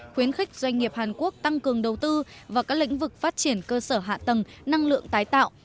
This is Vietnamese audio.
khuyến khích doanh nghiệp hàn quốc tăng cường đầu tư vào các lĩnh vực phát triển cơ sở hạ tầng năng lượng tái tạo